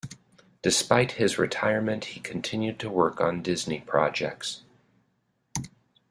Despite his retirement he continued to work on Disney projects.